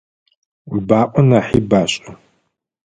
Баӏо нахьи башӏэ.